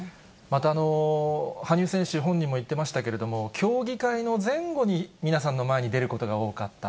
また羽生選手本人も言ってましたけれども、競技会の前後に、皆さんの前に出ることが多かった。